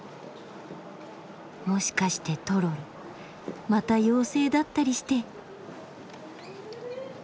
もしかしてトロルまた妖精だったりして。